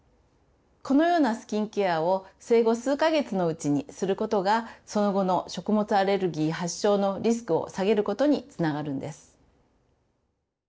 このようなスキンケアを生後数か月のうちにすることがその後の食物アレルギー発症のリスクを下げることにつながるんです。